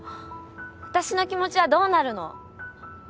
私の気持ちはどうなるの？